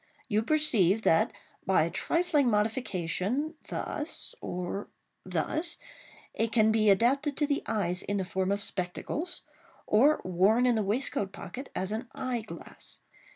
You perceive that, by a trifling modification thus—or thus—it can be adapted to the eyes in the form of spectacles, or worn in the waistcoat pocket as an eye glass.